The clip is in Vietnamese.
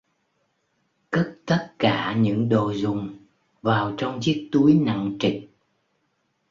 Cất tất cả những đồ dùng vào trong chiếc túi nặng trịch